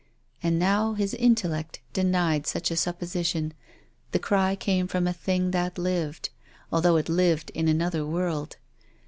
And now his intellect denied such a supposition ; the cry came from a thing that lived, although it lived in an other world.